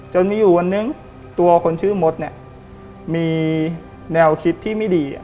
จนมีอยู่วันนึงตัวคนชื่อมดเนี่ยมีแนวคิดที่ไม่ดี